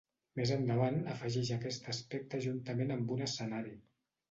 Més endavant afegeix aquest aspecte juntament amb un escenari.